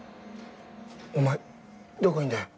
お前どこいるんだよ？